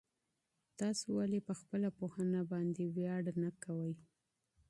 تاسو ولي په خپله پوهنه باندي فخر نه کوئ؟